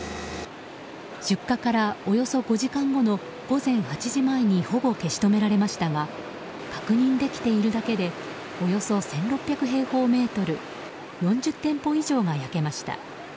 出火からおよそ５時間後の午前８時前にほぼ消し止められましたが確認できているだけでおよそ１６００平方メートル４０店舗以上が焼けました。